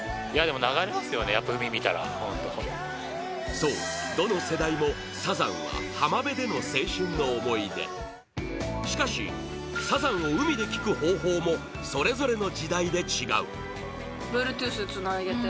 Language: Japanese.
そう、どの世代もサザンは浜辺での青春の思い出しかしサザンを海で聴く方法もそれぞれの時代で違う女性：Ｂｌｕｅｔｏｏｔｈつなげて。